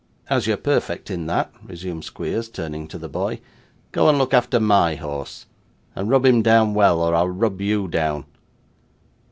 'As you're perfect in that,' resumed Squeers, turning to the boy, 'go and look after MY horse, and rub him down well, or I'll rub you down.